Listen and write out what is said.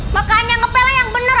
makanya ngepel yang bener